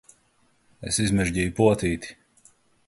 Es izmežģīju potīti!